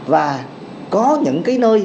và có những cái nơi